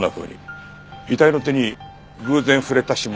遺体の手に偶然触れた指紋じゃない。